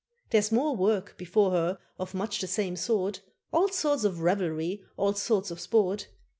There's more work before her of much the same sort, All sorts of revelry, all sorts of sport.